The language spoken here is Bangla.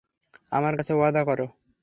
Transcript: আমার কাছে ওয়াদা করো!